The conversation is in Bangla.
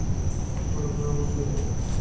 তখন আপনার আমাকে প্রয়োজন হবে।